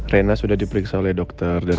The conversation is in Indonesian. lama banget sih mau pulang pulang